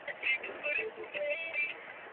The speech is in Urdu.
انگلینڈ اور سری لنکا کے اسپنرز نے نئی تاریخ رقم کر دی